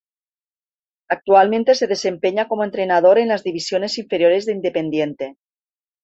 Actualmente se desempeña como entrenador en las divisiones inferiores de Independiente.